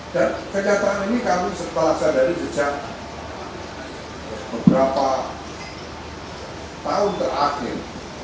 dan kenyataan ini kami telah sadari sejak beberapa tahun terakhir